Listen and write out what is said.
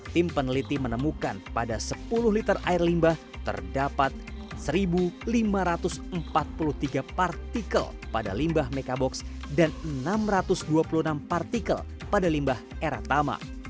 tim peneliti menemukan pada sepuluh liter air limbah terdapat satu lima ratus empat puluh tiga partikel pada limbah mekabox dan enam ratus dua puluh enam partikel pada limbah eratama